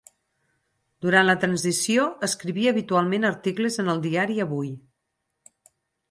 Durant la Transició, escrivia habitualment articles en el diari Avui.